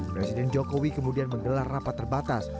presiden jokowi kemudian menggelar rapat terbatas